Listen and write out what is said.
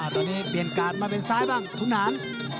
ตอนนี้เปลี่ยนการ์ดมาเป็นซ้ายบ้างขุนหาง